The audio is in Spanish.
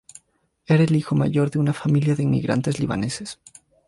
Era el hijo mayor de una familia de inmigrantes libaneses.